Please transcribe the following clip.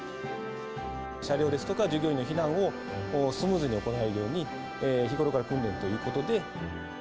車両ですとか従業員の避難をスムーズに行えるように、日頃から訓練ということで。